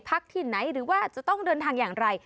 ที่ไหนหรือว่าจะต้องเดินทางอย่างไร